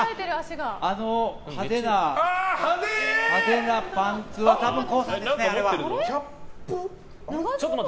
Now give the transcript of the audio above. あの派手なパンツは多分、ＫＯＯさんですね。